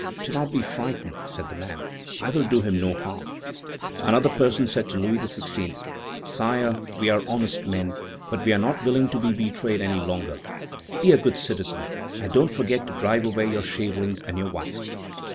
"Do not be frightened," said the man; "I will do him no harm." Another person said to Louis XVI.: "Sire, we are honest men; but we are not willing to be betrayed any longer. Be a good citizen, and don't forget to drive away your shavelings and your wife."